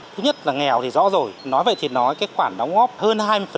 thứ nhất là nghèo thì rõ rồi nói vậy thì nói cái khoản đóng góp hơn hai mươi